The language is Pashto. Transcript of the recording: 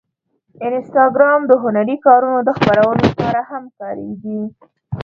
انسټاګرام د هنري کارونو د خپرولو لپاره هم کارېږي.